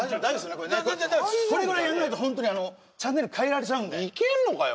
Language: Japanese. これね全然大丈夫っすこれぐらいやんないとホントにチャンネル変えられちゃうんでいけんのかよ？